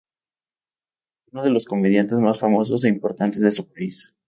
Es uno de los comediantes más famosos e importantes de su país.